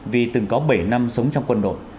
vì từng có bảy năm sống trong quân đội